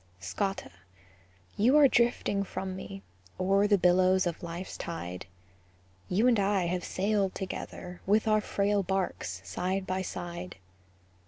Scotta, you are drifting from me, O'er the billows of life's tide; You and I have sailed together, With our frail barks side by side.